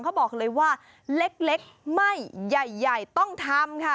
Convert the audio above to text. เขาบอกเลยว่าเล็กไม่ใหญ่ต้องทำค่ะ